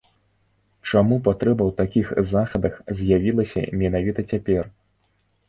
Чаму патрэба ў такіх захадах з'явілася менавіта цяпер?